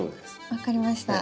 分かりました。